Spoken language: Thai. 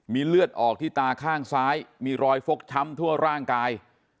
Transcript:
มีเลือดออกที่ตาข้างซ้ายมีรอยฟกช้ำทั่วร่างกาย